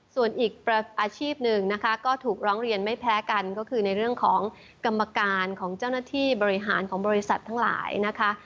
ส่วนอีกอาชีพหนึ่งนะคะก็ถูกร้องเรียนไม่แพ้กันก็คือในเรื่องของกรรมการของเจ้าหน้าที่บริหารของบริษัททั้งหลายนะคะ